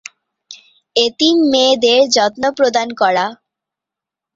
এতিম মেয়েদের যত্ন প্রদান করা।